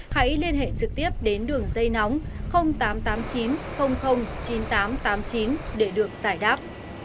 hãy liên hệ trực tiếp đến đường dây nóng tám trăm tám mươi chín chín nghìn tám trăm tám mươi chín để được giải đáp